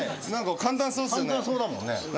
簡単そうだもんね。